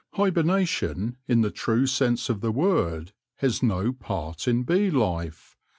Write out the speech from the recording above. Hibernation, in the true sense of the word, has no part in bee life.